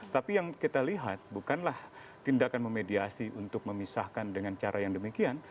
tapi yang kita lihat bukanlah tindakan memediasi untuk memisahkan dengan cara yang demikian